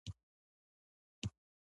ملګری د خیالونو ملګری وي